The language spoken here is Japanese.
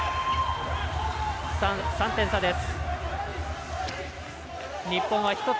３点差です。